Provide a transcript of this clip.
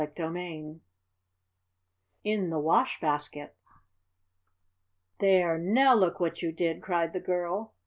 CHAPTER VII IN THE WASH BASKET "There, now look what you did!" cried the girl.